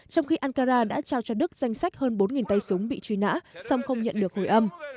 trong khi ankara đã trao cho đức danh sách hơn bốn tay súng bị truy nã song không nhận được hồi âm